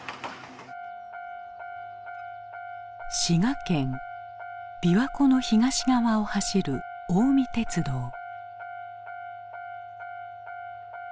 滋賀県琵琶湖の東側を走る近江鉄道。